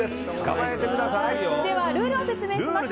ではルールを説明します。